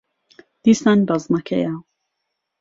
دیسان بەزمەکەیە.